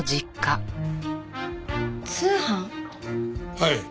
はい。